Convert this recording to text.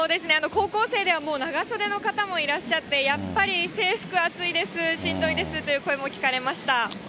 高校生ではもう長袖の方もいらっしゃって、やっぱり制服、暑いです、しんどいですという声も聞かれました。